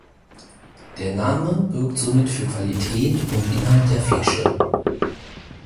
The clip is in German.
Der Name bürgt somit für Qualität und Inhalt der Flasche.